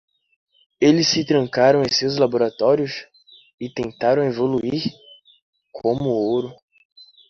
Eles se trancaram em seus laboratórios? e tentaram evoluir? como o ouro.